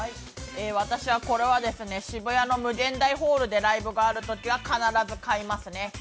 私はこれは渋谷の∞ホールでライブがあるときは必ず買いますね。